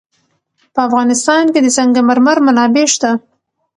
په افغانستان کې د سنگ مرمر منابع شته.